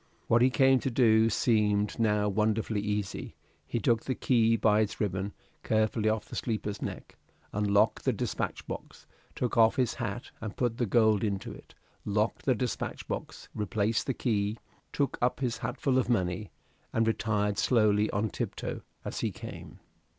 What he came to do seemed now wonderfully easy; he took the key by its ribbon carefully off the sleeper's neck; unlocked the despatch box, took off his hat, put the gold into it, locked the despatch box, replaced the key, took up his hatful of money, and retired slowly on tiptoe as he came.